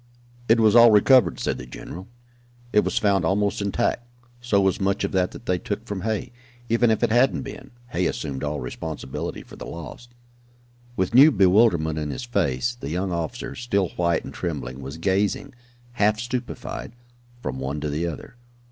"It was all recovered," said the general. "It was found almost intact so was much of that that they took from Hay. Even if it hadn't been, Hay assumed all responsibility for the loss." With new bewilderment in his face, the young officer, still white and trembling, was gazing, half stupefied, from one to the other.